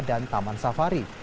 dan taman safari